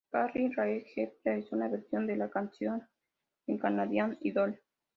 Carly Rae Jepsen realizó una versión de la canción en Canadian Idol.